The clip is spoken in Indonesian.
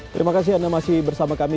terima kasih anda masih bersama kami